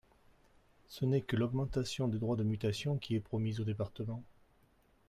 Ce n’est que l’augmentation des droits de mutation qui est promise aux départements.